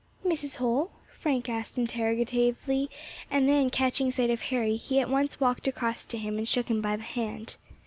"Mrs. Holl?" Frank asked interrogatively, and then, catching sight of Harry, he at once walked across to him and shook him by the hand.